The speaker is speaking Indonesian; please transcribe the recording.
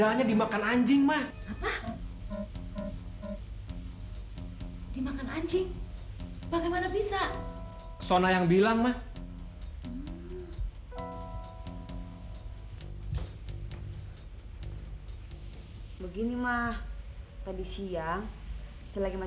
langsung aja ke rumah mereka